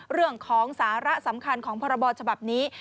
เรื่องของสาระสำคัญของพรบฉบับนี้